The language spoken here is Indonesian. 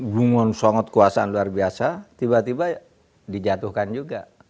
bungon sangat kuasa luar biasa tiba tiba dijatuhkan juga